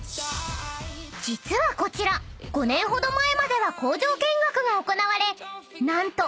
［実はこちら５年ほど前までは工場見学が行われ何と］